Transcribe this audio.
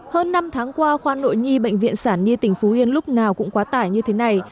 hơn năm tháng qua khoa nội nhi bệnh viện sản nhi tỉnh phú yên lúc nào cũng quá tải như thế này